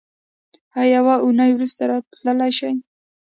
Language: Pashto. ایا یوه اونۍ وروسته راتلی شئ؟